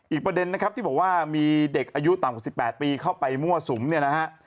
อีกประเด็นนะครับที่บอกว่ามีเด็กอายุต่ำกว่า๑๘ปีเข้าไปมั่วสุมเนี่ยนะฮะ